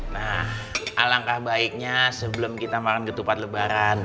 nah alangkah baiknya sebelum kita makan ketupat lebaran